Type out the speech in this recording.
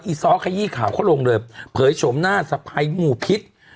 ซ้อขยี้ข่าวเขาลงเลยเผยโฉมหน้าสะพ้ายหมู่พิษ